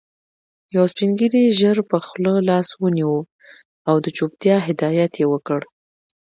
يو سپين ږيري ژر پر خوله لاس ونيو او د چوپتيا هدایت يې وکړ.